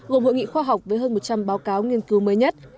gồm hội nghị khoa học với hơn một trăm linh báo cáo nghiên cứu mới nhất